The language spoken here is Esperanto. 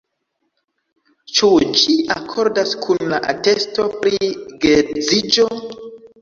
Ĉu ĝi akordas kun la atesto pri geedziĝo?